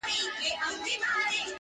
د يار په مخ باندې پردئۍ نخښې دي